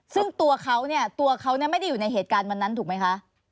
ซึ่งตัวเขาเนี่ยตัวเขาไม่ได้อยู่ในเหตุการณ์วันนั้นถูกไหมคะ